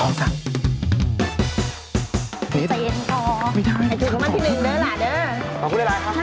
ค้นทางนี้แหละ